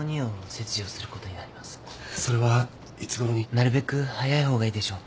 なるべく早いほうがいいでしょう。